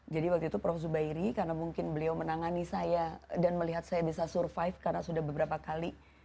jadi waktu itu prof zubairi karena mungkin beliau menangani saya dan melihat saya bisa survive karena sudah beberapa kali